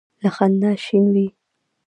له خندا شین وي.